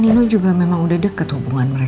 iya kamu telepon deh